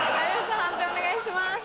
判定お願いします。